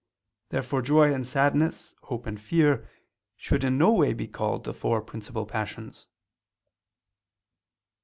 Therefore joy and sadness, hope and fear should in no way be called the four principal passions.